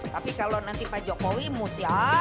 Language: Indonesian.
tapi kalau nanti pak jokowi musiknya akan berubah